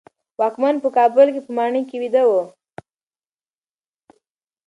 واکمن په کابل کې په ماڼۍ کې ویده و.